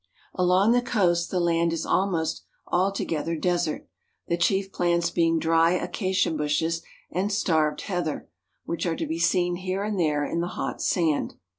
Along the coast the land is almost altogether desert, the chief plants being dry acacia bushes and starved heather, which are to be seen here and there in the hot sand.